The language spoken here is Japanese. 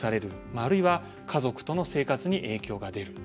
あるいは家族との生活に影響が出る。